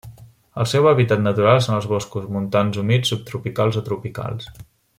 El seu hàbitat natural són els boscos montans humits subtropicals o tropicals.